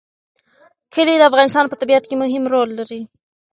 کلي د افغانستان په طبیعت کې مهم رول لري.